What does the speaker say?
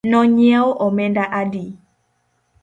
No nyiewo omenda adi